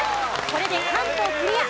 これで関東クリア。